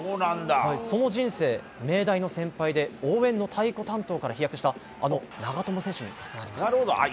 その人生、明大の先輩で応援の太鼓担当から飛躍したあの長友選手と重なります。